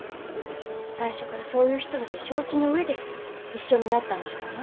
最初からそういう人だと承知の上で一緒になったんだからね。